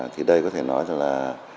thì đây có thể nói là